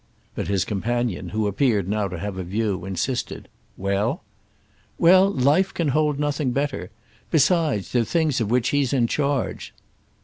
But his companion, who appeared now to have a view, insisted. "Well?" "Well, life can hold nothing better. Besides, they're things of which he's in charge."